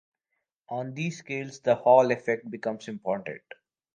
On these scales the Hall effect becomes important.